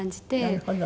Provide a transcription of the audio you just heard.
なるほど。